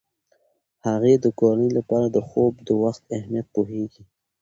هغې د کورنۍ لپاره د خوب د وخت اهمیت پوهیږي.